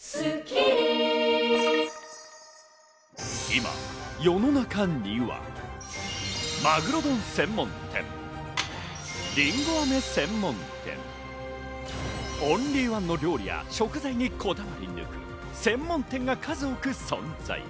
今、世の中にはまぐろ丼専門店、りんご飴専門店、オンリーワンの料理や食材にこだわり抜いた専門店が数多く存在。